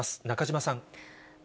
中島さん。